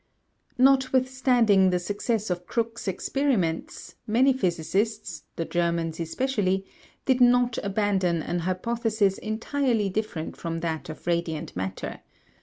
Notwithstanding the success of Crookes' experiments, many physicists the Germans especially did not abandon an hypothesis entirely different from that of radiant matter.